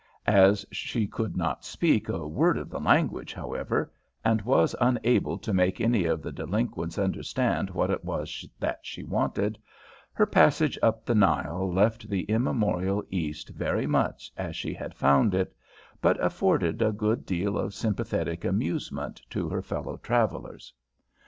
As she could not speak a word of the language, however, and was unable to make any of the delinquents understand what it was that she wanted, her passage up the Nile left the immemorial East very much as she had found it, but afforded a good deal of sympathetic amusement to her fellow travellers.